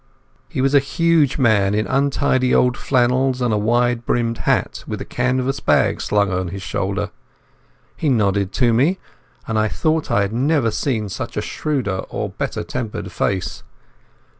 He was a huge man in untidy old flannels and a wide brimmed hat, with a canvas bag slung on his shoulder. He nodded to me, and I thought I had never seen a shrewder or better tempered face.